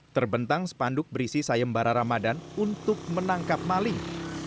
terbentang sepanduk berisi sayem bara ramadan untuk menangkap maling